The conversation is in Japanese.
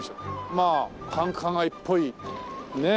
まあ繁華街っぽいねえ。